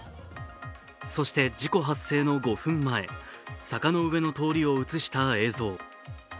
そして事故発生の５分前、坂の上の通りを映した映像。